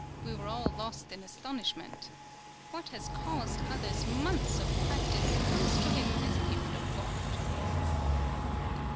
We were all lost in astonishment. What has caused others months of practice comes to him as a gift of God."